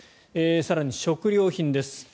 更に食料品です。